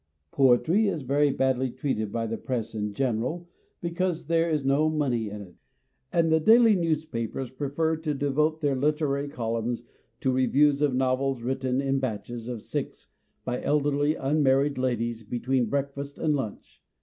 Poetry is very badly treated by the Press in general because there is no money in it, and the daily newspapers prefer to devote their literary columns to reviews of novels written in batches of six by elderly unmarried ladies between breakfast and lunch.